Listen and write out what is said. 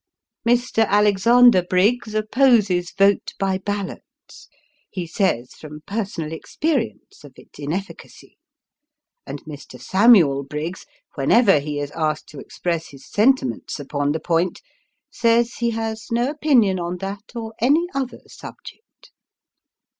Mr. Alexander Briggs opposes vote by ballot he says from personal experience of its inefficacy ; and Mr. Samuel Briggs, whenever he is Tlu Captain a Failure. 305 asked to express his sentiments on the point, says he has no opinion on that or any other subject.